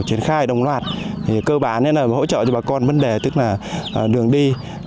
triển khai đồng loạt cơ bản nên là hỗ trợ cho bà con vấn đề tức là đường đi